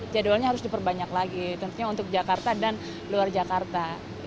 jadwalnya harus diperbanyak lagi tentunya untuk jakarta dan luar jakarta